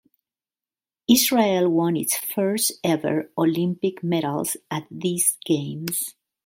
Israel won its first ever Olympic medals at these Games.